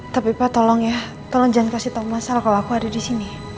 tapi pak tolong ya tolong jangan kasih tau masalah kalo aku ada disini